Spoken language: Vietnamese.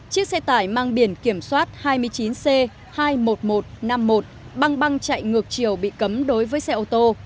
chiếc xe tải mang biển kiểm soát hai mươi chín c hai mươi một nghìn một trăm năm mươi một băng băng chạy ngược chiều bị cấm đối với xe ô tô